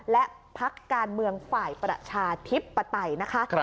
และพักการเมืองฝ่ายประชาธิปไตยนะคะ